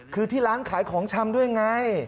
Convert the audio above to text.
คือที่ร้านขายของชำด้วยไง